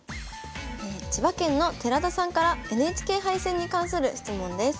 千葉県の寺田さんからＮＨＫ杯戦に関する質問です。